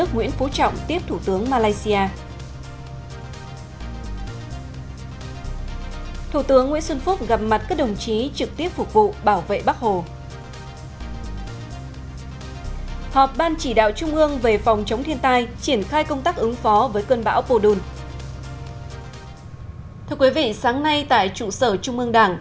nguyễn phú trọng đã tiếp thân mật ngài mahathir mohamad thủ tướng chính phủ malaysia đang có chuyến thăm chính thức việt nam